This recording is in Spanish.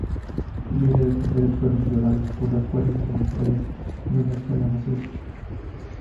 Miles de mujeres fueron violadas por las fuerzas occidentales en una escala masiva.